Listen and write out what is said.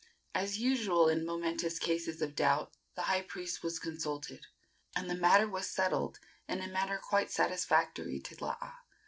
As usual in momentous cases of doubt, the high priest was consulted, and the matter was settled in a manner quite satisfactory to Laa.